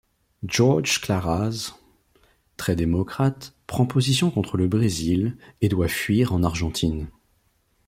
Georges Claraz, très démocrate, prend position contre le Brésil et doit fuir en Argentine.